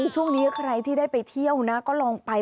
ช่วงนี้ใครที่ได้ไปเที่ยวนะก็ลองไป